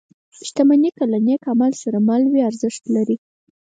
• شتمني که له نېک عمل سره مل وي، ارزښت لري.